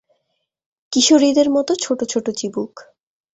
কিশোরীদের মতো ছোট ছোট চিবুক।